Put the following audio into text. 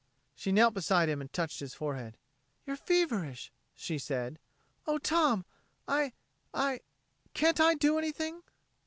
She knelt beside him and touched his forehead. "You're feverish," she said. "Oh, Tom ... I ... can't I do anything?"